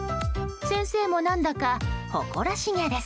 先生も何だか誇らしげです。